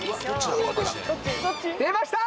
出ました。